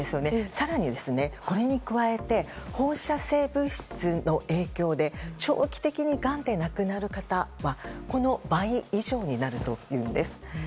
更に、これに加えて放射性物質の影響で長期的にがんで亡くなる方はこの倍以上になるというんです。